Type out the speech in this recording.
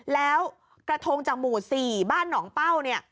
แล้วกระทงจากหมู่๔บ้านหนองเป้าเนี่ย